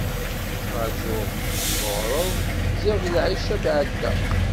Ttrajuɣ lmeɣreb, ziɣ lɛica tɛedda!